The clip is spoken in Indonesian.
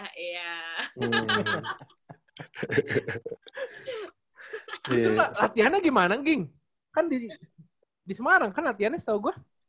itu latihannya gimana ging kan di semarang kan latihannya setahu gue